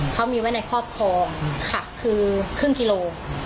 เขามีไว้ในครอบครองค่ะคือครึ่งกิโล